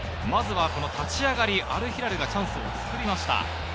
まずは立ち上がり、アルヒラルがチャンスを作りました。